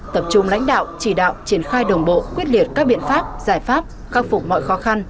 tập trung lãnh đạo chỉ đạo triển khai đồng bộ quyết liệt các biện pháp giải pháp khắc phục mọi khó khăn